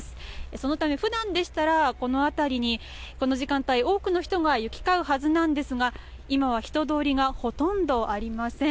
そのため、ふだんでしたらこの辺りにこの時間帯、多くの人が行き交うはずなんですが、今は人通りがほとんどありません。